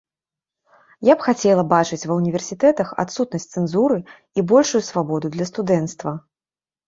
Я б хацела бачыць ва ўніверсітэтах адсутнасць цэнзуры і большую свабоду для студэнцтва.